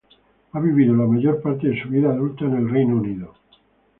Ha vivido la mayor parte de su vida adulta en el Reino Unido.